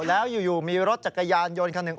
แล้วอยู่มีรถจักรยานยนต์คันหนึ่ง